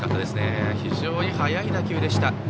非常に速い打球でした。